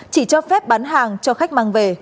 chỉ cho phép bán hàng cho khách mang về